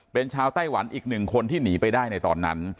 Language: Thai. เป็นชาวไต้หวันอีกหนึ่งคนที่หนีไปได้ในตอนนั้น